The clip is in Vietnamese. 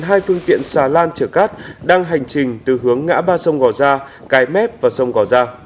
hai phương tiện xà lan chở cát đang hành trình từ hướng ngã ba sông gò gia cái mép và sông gò gia